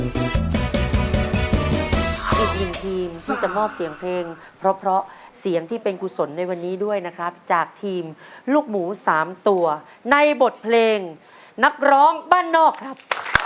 อีกหนึ่งทีมที่จะมอบเสียงเพลงเพราะเสียงที่เป็นกุศลในวันนี้ด้วยนะครับจากทีมลูกหมู๓ตัวในบทเพลงนักร้องบ้านนอกครับ